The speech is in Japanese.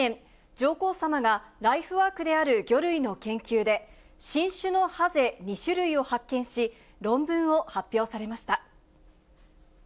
上皇さまがライフワークである魚類の研究で、新種のハゼ２種類を発見し、論文を発表されました。